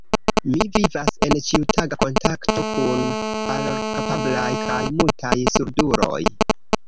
Mi vivas en ĉiutaga kontakto kun parolkapablaj kaj mutaj surduloj.